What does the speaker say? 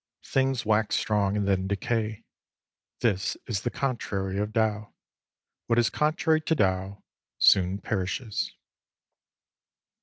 Things wax strong and then decay. This is the contrary of Tao. What is contrary to Tao soon perishes.